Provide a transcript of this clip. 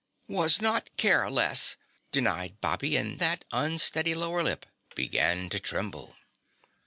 "Was not care less!" Denied Bobby and that unsteady lower lip began to tremble.